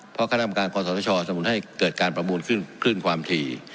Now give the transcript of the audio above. เพราะข้ารับการกรสมมุติให้เกิดการประมูลขึ้นขึ้นความถี่